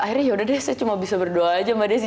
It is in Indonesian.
akhirnya yaudah deh saya cuma bisa berdoa aja mbak desy